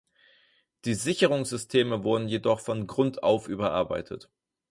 Die Sicherungssysteme wurden jedoch von Grund auf überarbeitet.